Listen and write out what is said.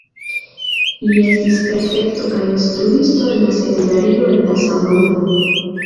Li estis prefekto kaj instruisto en la seminario en la sama urbo.